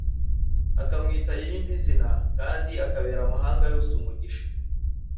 akamwita irindi zina kandi akabera amahanga yose umugisha